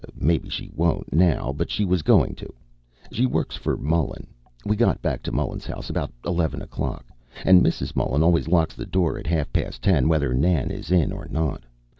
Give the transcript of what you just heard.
Maybe she won't now, but she was going to. She works for Mullen. We got back to Mullen's house about eleven o'clock, and Mrs. Mullen always locks the door at half past ten, whether Nan is in or not.